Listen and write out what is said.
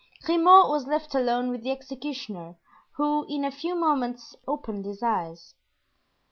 Grimaud was left alone with the executioner, who in a few moments opened his eyes.